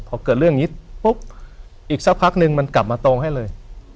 พอเกิดเรื่องนี้ปุ๊บอีกสักพักนึงมันกลับมาตรงให้เลย